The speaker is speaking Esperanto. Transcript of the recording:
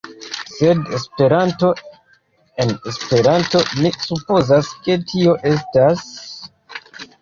Sed Esperanto, en Esperanto mi supozas ke tio estas...